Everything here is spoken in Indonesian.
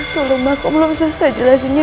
tolong belum selesai jelasinnya